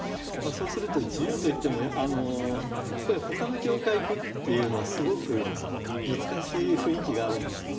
そうすると自由といってもあのやっぱり他の教会行くっていうのはすごく難しい雰囲気があるんですよ。